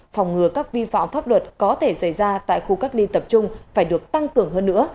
phòng ngừa các vi phạm pháp luật có thể xảy ra tại khu cách ly tập trung phải được tăng cường hơn nữa